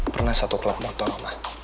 pernah satu klub motor